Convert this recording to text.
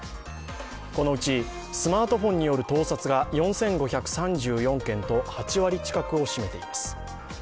このうちスマートフォンによる盗撮が４５３４件と８割近くを占めています。